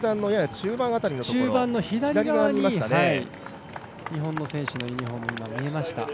中盤の左に日本の選手のユニフォーム、今見えました。